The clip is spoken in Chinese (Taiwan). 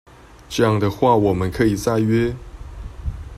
這樣的話我們可以再約